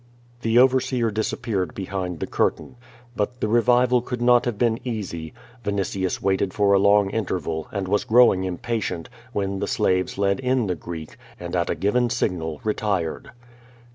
The overseer disappeared behind the curtain. But the re vival could not have been easy. Yinitius waited for a long interval, and was growing impatient, when the slaves led in the Greek, and at a given signal retired.